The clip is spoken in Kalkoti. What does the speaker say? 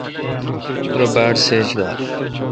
ررو باڑ سیج گار۔